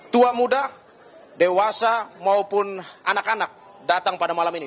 tua muda dewasa maupun anak anak datang pada malam ini